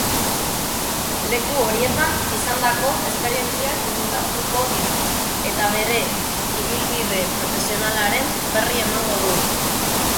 Leku horietan izandako esperientziak kontatuko ditu, eta bere ibilbide-profesionalaren berri emango du.